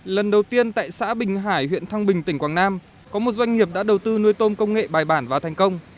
lần đầu tiên tại xã bình hải huyện thăng bình tỉnh quảng nam có một doanh nghiệp đã đầu tư nuôi tôm công nghệ bài bản và thành công